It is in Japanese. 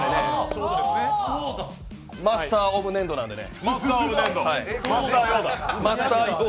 マスター・オブ・粘土なんでね。